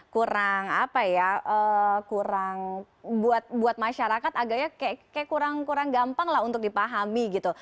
kurang apa ya kurang buat masyarakat agaknya kayak kurang gampang lah untuk dipahami gitu